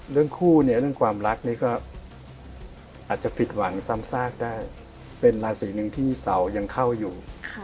เรื่องคู่เนี่ยเรื่องความรักนี่ก็อาจจะผิดหวังซ้ำซากได้เป็นราศีหนึ่งที่เสายังเข้าอยู่